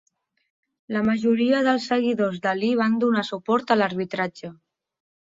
La majoria dels seguidors d'Ali van donar suport a l'arbitratge.